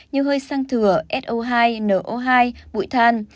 như hơi xăng thừa so hai no hai bụi than